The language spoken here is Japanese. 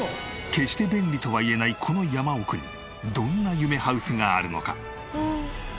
決して便利とはいえないこの山奥にどんな夢ハウスがあるのか？